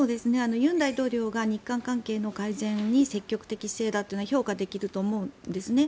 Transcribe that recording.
尹大統領が日韓関係の改善に積極的姿勢だというのは評価できると思うんですね。